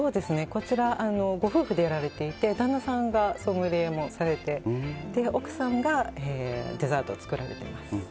こちら、ご夫婦でやられていて旦那さんがソムリエをされて奥さんがデザートを作られています。